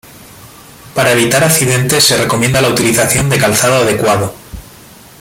Para evitar accidentes se recomienda la utilización de calzado adecuado.